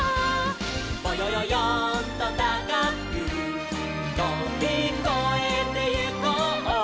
「ぼよよよんとたかくとびこえてゆこう」